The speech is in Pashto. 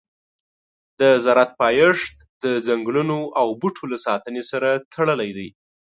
د زراعت پایښت د ځنګلونو او بوټو له ساتنې سره تړلی دی.